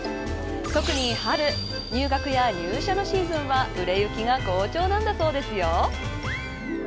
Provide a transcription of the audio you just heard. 特に春入学や入社のシーズンは売れ行きが好調なんだそうですよ。